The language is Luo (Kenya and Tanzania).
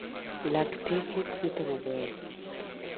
Lakteche thietho maber.